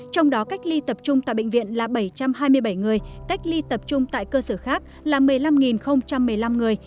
trong đó cách ly tập trung tại bệnh viện là bảy trăm hai mươi bảy người cách ly tập trung tại cơ sở khác là một mươi năm một mươi năm người